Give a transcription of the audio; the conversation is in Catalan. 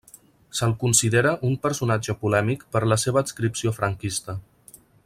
Se'l considera un personatge polèmic per la seva adscripció franquista.